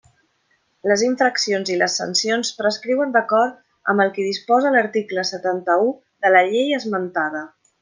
Les infraccions i les sancions prescriuen d'acord amb el que disposa l'article setanta-u de la Llei esmentada.